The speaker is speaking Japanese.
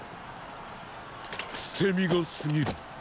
捨て身が過ぎる。